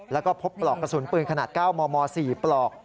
แล้วก็พบปลอกกระสุนปืนขนาด๙มม๔ปลอก